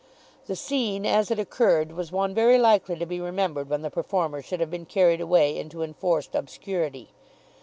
The scene, as it occurred, was one very likely to be remembered when the performer should have been carried away into enforced obscurity.